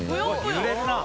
揺れるなあ！